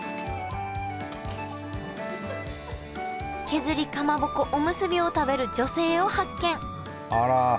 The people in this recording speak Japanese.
削りかまぼこおむすびを食べる女性を発見あら！